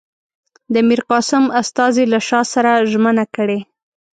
د میرقاسم استازي له شاه سره ژمنه کړې.